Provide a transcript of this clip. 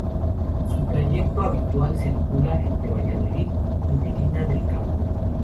Su trayecto habitual circula entre Valladolid y Medina del Campo.